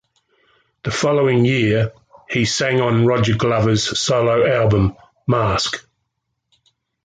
The following year, he sang on Roger Glover's solo album, "Mask".